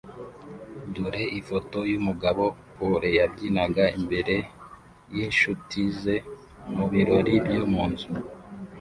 Dore ifoto yumugabo pole yabyinaga imbere yinshuti ze mubirori byo munzu